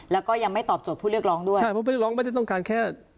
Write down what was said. แล้วก็ยังไม่ตอบโจทย์ผู้เรียกร้องด้วยใช่เพราะเรียกร้องไม่ได้ต้องการแค่